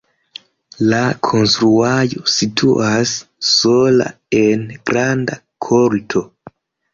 La konstruaĵo situas sola en granda korto.